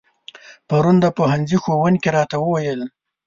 پرون د پوهنځي ښوونکي راته و ويل